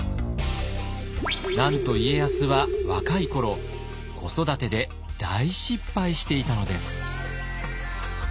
なんと家康は若い頃子育てで大失敗していたのです。